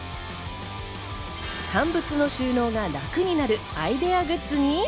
乾物の収納が楽になるアイデアグッズに。